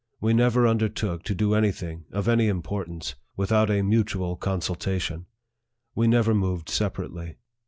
We never undertook to do any thing, of any importance, without a mutual consultation. We never moved separately.